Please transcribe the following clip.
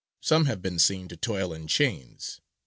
Some have been seen to toil in chains.